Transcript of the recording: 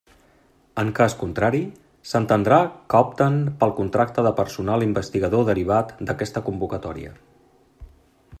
En cas contrari, s'entendrà que opten pel contracte de personal investigador derivat d'aquesta convocatòria.